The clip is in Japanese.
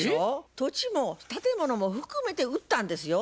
土地も建物も含めて売ったんですよ。